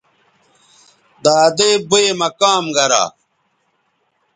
دادئ بئ مہ کام گرا